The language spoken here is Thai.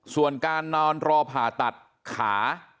ส่วนการนอนรอผ่าตัดขา